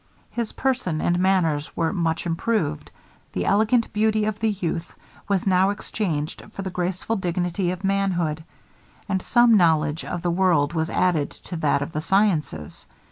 His person and manners were much improved; the elegant beauty of the youth was now exchanged for the graceful dignity of manhood, and some knowledge of the world was added to that of the sciences.